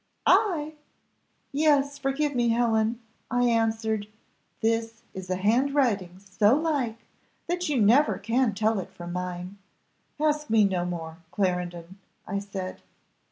'" "I!" "Yes, forgive me, Helen, I answered, 'There is a handwriting so like, that you never can tell it from mine. Ask me no more, Clarendon,' I said.